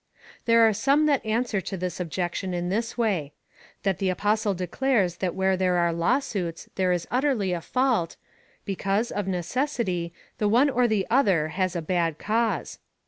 '' There are some that answer this objection in this way — that the Apostle declares that where there are law suits there is utterly a fault, because, of necessity, the one or the other has a bad cause.